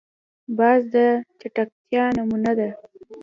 باز د چټکتیا نمونه ده